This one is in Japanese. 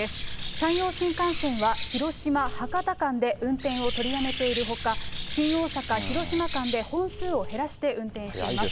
山陽新幹線は広島・博多間で運転を取りやめているほか、新大阪・広島間で本数を減らして運転しています。